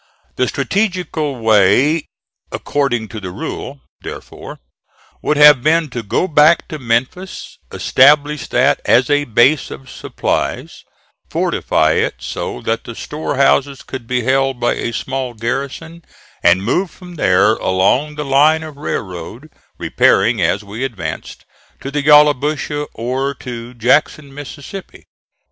The strategical way according to the rule, therefore, would have been to go back to Memphis; establish that as a base of supplies; fortify it so that the storehouses could be held by a small garrison, and move from there along the line of railroad, repairing as we advanced, to the Yallabusha, or to Jackson, Mississippi.